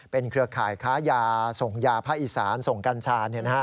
เป็นเครือข่ายค้ายาส่งยาพระอิสานส่งกัญชา